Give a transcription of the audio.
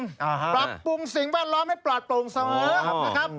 ปรับปรุงสิ่งบ้านร้อนให้ปราบปรุงเสมอนะครับ